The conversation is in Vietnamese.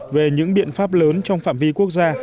về những biện pháp lớn trong phạm vi quốc gia